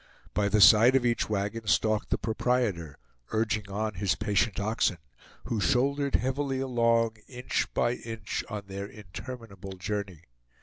By the side of each wagon stalked the proprietor, urging on his patient oxen, who shouldered heavily along, inch by inch, on their interminable journey.